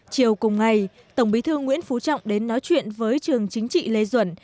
chiều cùng ngày tổng bí thư nguyễn phú trọng đến nói chuyện với trường chính trị lê duẩn